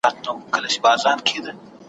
د پامیر دي، د هري، د ننګرهار دي `